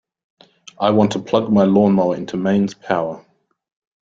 I want to plug my lawnmower into mains power